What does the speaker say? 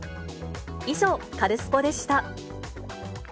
以上、カルスポっ！でした。